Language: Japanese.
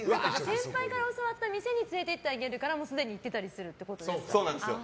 先輩から教わった店に連れて行ってあげるからすでに行ってたりするってことですね。